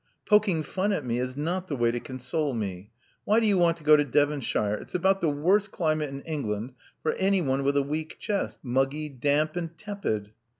"Poking fun at me is not the way to console me. Why do you want to go to Devonshire? It's about the worst climate in England for anyone with a weak chest: muggy, damp, and tepid."